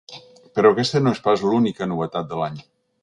Però aquesta no és pas l’única novetat de l’any.